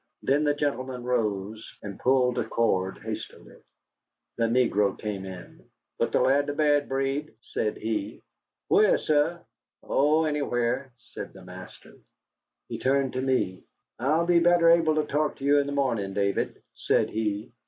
Then the gentleman rose and pulled a cord hastily. The negro came in. "Put the lad to bed, Breed," said he. "Whah, suh?" "Oh, anywhere," said the master. He turned to me. "I'll be better able to talk to you in the morning, David," said he.